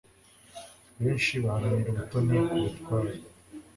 benshi baharanira ubutoni ku mutware